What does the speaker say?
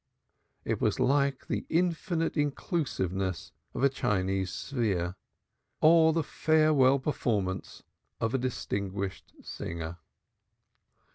It was like the infinite inclusiveness of a Chinese sphere, or the farewell performances of a distinguished singer.